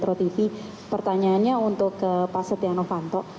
saya setelah menerima pertanyaannya untuk pak setiano fanto